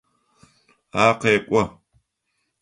Ар къэкӏо.